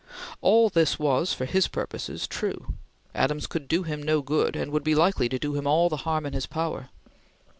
All this was, for his purposes, true. Adams could do him no good, and would be likely to do him all the harm in his power.